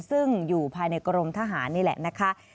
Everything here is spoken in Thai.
ซึ่งอยู่ภายในกรมทหารนี่แหละนะคะ